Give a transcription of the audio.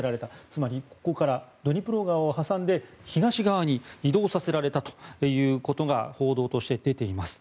つまりここからドニプロ川を挟んで東側に移動させられたということが報道として出ています。